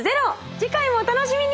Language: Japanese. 次回もお楽しみに！